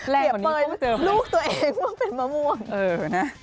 เปรียบเปยลูกตัวเองว่าเป็นมะม่วง